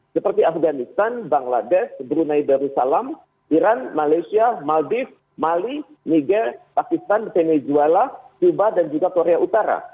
seperti afghanistan bangladesh brunei darussalam iran malaysia maldives mali niger pakistan venezuela cuba dan juga korea utara